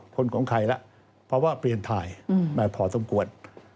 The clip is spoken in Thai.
คนของใครแล้วเพราะว่าเปลี่ยนถ่ายมาพอสมควร